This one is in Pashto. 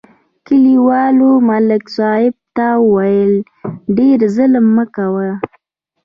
کلیوالو ملک صاحب ته وویل: ډېر ظلم مه کوه.